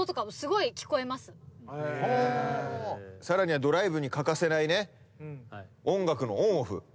さらにはドライブに欠かせない音楽のオンオフ。